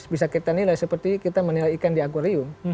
bisa kita nilai seperti kita menilai ikan di akwarium